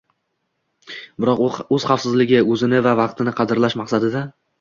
biroq o‘z xavfsizligi, o‘zini va vaqtini qadrlash maqsadida